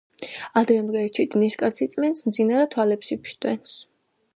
ადრე ამდგარი ჩიტი ნისკარტს იწმენდს, მძინარა - თვალებს იფშვნეტს.